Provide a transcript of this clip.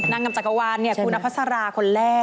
นางงามจักรวาลนี่คุณพระสาราคนแรก